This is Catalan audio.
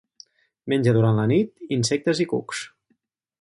Menja, durant la nit, insectes i cucs.